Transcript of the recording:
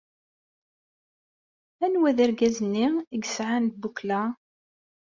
Anwa i d argaz-ahi i yesɛan lbukla?